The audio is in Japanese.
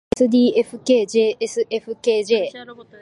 ｓｄｆｋｊｓｆｋｊ